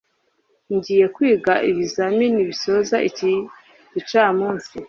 ngiye kwiga ibizamini bisoza iki gicamunsi